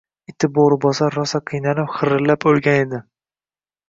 Iti Bo‘ribosar rosa qiynalib, xirillab o‘lgan edi